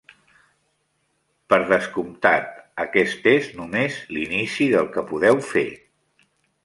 Per descomptat, aquest és només l'inici del que podeu fer.